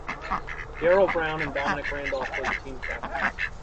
Daryl Brown and Dominic Randolph were the team captains.